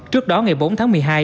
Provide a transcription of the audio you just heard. trước đó ngày bốn tháng một mươi hai